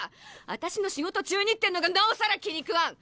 私の仕事中にってのがなおさら気に食わん！